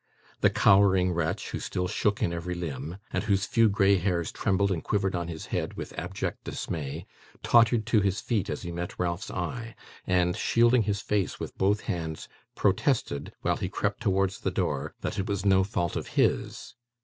The cowering wretch, who still shook in every limb, and whose few grey hairs trembled and quivered on his head with abject dismay, tottered to his feet as he met Ralph's eye, and, shielding his face with both hands, protested, while he crept towards the door, that it was no fault of his.